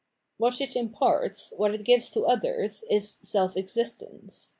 What it imparts, what it gives to others, is self existence.